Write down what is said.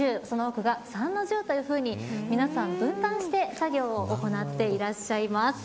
その奥がが三の重というふうに皆さん分担して作業を行っていらっしゃいます。